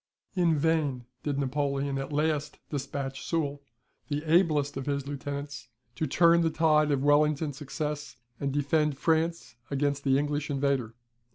In vain did Napoleon at last despatch Soult, the ablest of his lieutenants, to turn the tide of Wellington's success and defend France against the English invader.